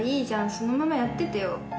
そのままやっててよ。